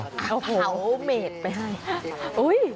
เอาเผาเมตรไปให้อุ๊ย